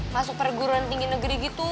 masuk perguruan tinggi negeri gitu